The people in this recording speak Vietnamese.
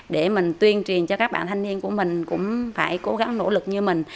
để mình tuyên truyền cho các bạn thanh niên của mình cũng phải cố gắng nỗ lực như mình